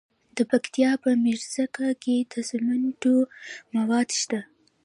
د پکتیا په میرزکه کې د سمنټو مواد شته.